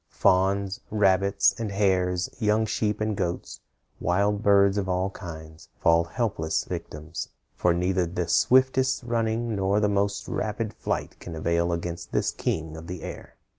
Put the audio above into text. Fawns, rabbits, and hares, young sheep and goats, wild birds of all kinds, fall helpless victims, for neither the swiftest running nor the most rapid flight can avail against this king of the air.